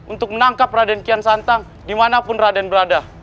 untuk menangkap raden kian santang dimanapun raden berada